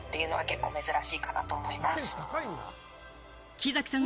木崎さん